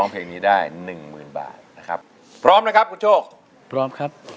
เพลงนี้ได้หนึ่งหมื่นบาทนะครับพร้อมนะครับคุณโชคพร้อมครับ